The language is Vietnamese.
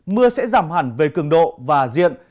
mưa sẽ giảm hẳn về cường độ và diện